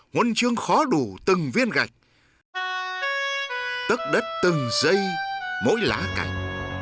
nguồn chương khó đủ từng viên gạch tất đất từng dây mỗi lá cạnh